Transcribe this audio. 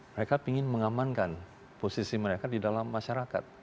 mereka ingin mengamankan posisi mereka di dalam masyarakat